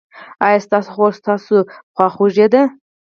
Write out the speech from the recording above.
ایا ستاسو خور ستاسو خواخوږې ده؟